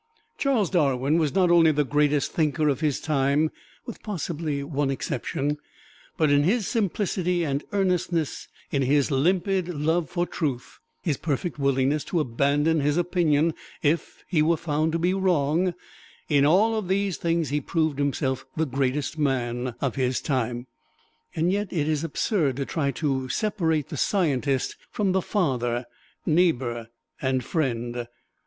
Charles Darwin was not only the greatest thinker of his time (with possibly one exception), but in his simplicity and earnestness, in his limpid love for truth his perfect willingness to abandon his opinion if he were found to be wrong in all these things he proved himself the greatest man of his time. Yet it is absurd to try to separate the scientist from the father, neighbor and friend.